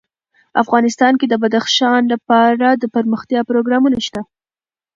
افغانستان کې د بدخشان لپاره دپرمختیا پروګرامونه شته.